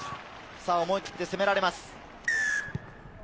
思い切って攻められます。